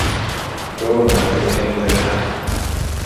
Roma retained their half.